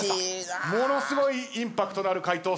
ものすごいインパクトのある回答